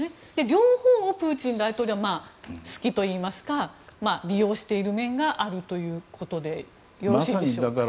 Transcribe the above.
両方を、プーチン大統領は好きといいますか利用している面があるということでよろしいでしょうか。